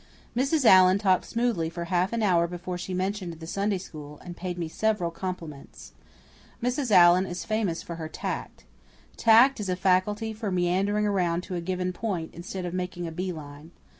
Mrs. Allan talked smoothly for half an hour before she mentioned the Sunday School, and paid me several compliments. Mrs. Allan is famous for her tact. Tact is a faculty for meandering around to a given point instead of making a bee line.